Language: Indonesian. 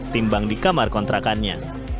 timbang di kamar kontrakannya